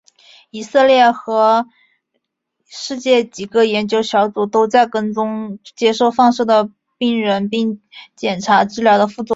以色列和世界几个研究小组都在跟踪接受放射的病人并检查治疗的副作用。